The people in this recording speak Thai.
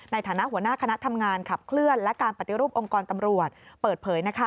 ในฐานะหัวหน้าคณะทำงานขับเคลื่อนและการปฏิรูปองค์กรตำรวจเปิดเผย